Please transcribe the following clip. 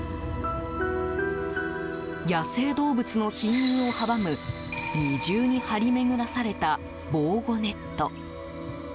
野生動物の侵入を阻む二重に張り巡らされた防護ネット。